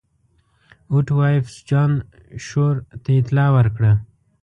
اوټوایفز جان شور ته اطلاع ورکړه.